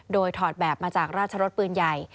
โดยถอดแบบมาจากราชรสปืนใหญ่